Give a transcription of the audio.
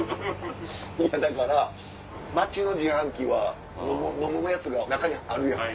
いやだから街の自販機は飲むやつが中にあるやん。